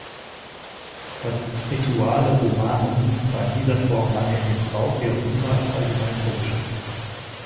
Das "Rituale Romanum" war in dieser Form lange in Gebrauch, jedoch niemals allgemein vorgeschrieben.